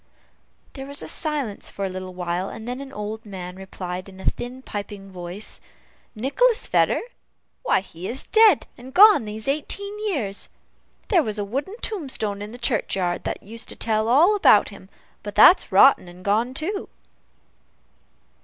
There was a silence for a little while, when an old man replied, in a thin, piping voice, "Nicholas Vedder? why, he is dead and gone these eighteen years! There was a wooden tombstone in the churchyard that used to tell all about him, but that's rotten and gone too."